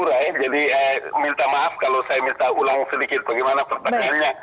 jadi ini tim saya di jaya pura ya jadi minta maaf kalau saya minta ulang sedikit bagaimana pertanyaannya